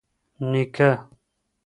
نيکه